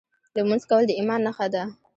لمونځ کول د ایمان نښه ده .